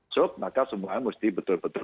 sub maka semuanya mesti betul betul